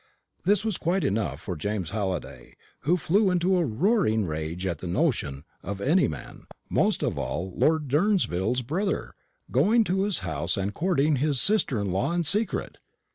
This was quite enough for James Halliday, who flew into a roaring rage at the notion of any man, most of all Lord Durnsville's brother, going to his house and courting his sister in law in secret.